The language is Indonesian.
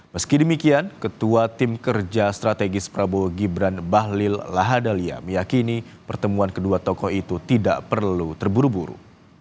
meski demikian ketua tim kerja strategis prabowo gibran bahlil lahadalia meyakini pertemuan kedua tokoh itu tidak perlu terburu buru